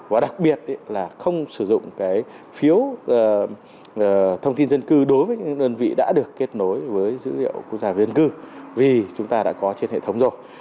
và đặc biệt là không sử dụng cái phiếu thông tin dân cư đối với những đơn vị đã được kết nối với dữ liệu quốc gia về dân cư vì chúng ta đã có trên hệ thống rồi